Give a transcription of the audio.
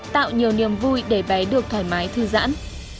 tạo nhiều niềm vui để bé được thoải mái thư giãn